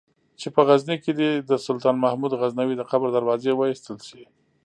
چې په غزني کې دې د سلطان محمود غزنوي د قبر دروازې وایستل شي.